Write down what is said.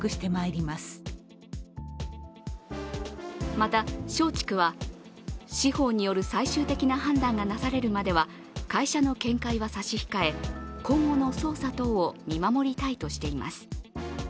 また松竹は司法による最終的な判断がなされるまでは会社の見解は差し控え、今後の捜査等を見守りたいとしています。